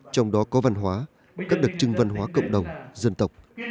trong đó có văn hóa các đặc trưng văn hóa cộng đồng dân tộc